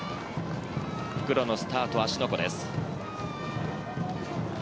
復路のスタート、芦ノ湖です。